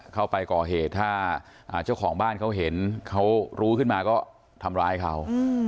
เข้าไปก่อเหตุถ้าเจ้าของบ้านเขาเห็นเขารู้ขึ้นมาก็ทำร้ายเขา